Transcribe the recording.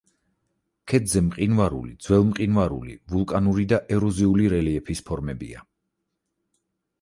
ქედზე მყინვარული, ძველმყინვარული, ვულკანური და ეროზიული რელიეფის ფორმებია.